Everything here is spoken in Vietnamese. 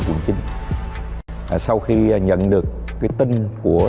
chúng quyết định